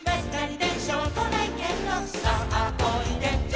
「さあおいで」